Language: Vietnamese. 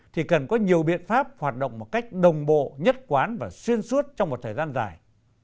thì cần có nhiều biện pháp hoạt động một cách đồng bộ nhất quán và xuyên suốt trong một thời gian dài